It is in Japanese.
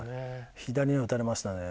左には打たれましたね。